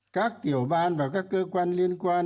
các tiểu ban và các cơ quan liên quan